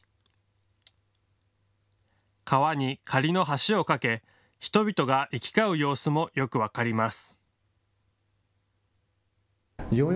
川に仮の橋を架け、人々が行き交う様子もよく分かります。